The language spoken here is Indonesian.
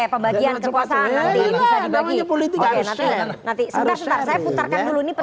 pembagian kekuasaan nanti bisa dibagi